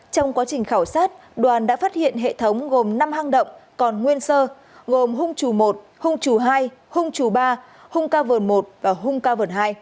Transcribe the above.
trong quá trình khảo sát đoàn đã phát hiện hệ thống gồm năm hang động còn nguyên sơ gồm hung trù một hung trù hai hung trù ba hung ca vườn một và hung ca vườn hai